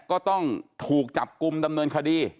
ก็ต้องถูกจับกลุ่มดำเนินคดี